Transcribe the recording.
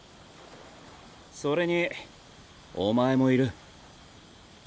それにお前もいる。